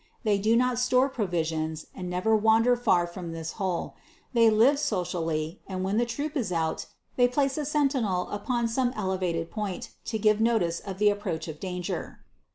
They do not store provisions, and never wander far from this hole. They live socially, and when the troop is out, they place a sentinel upon some elevated point to give notice of the approach of danger.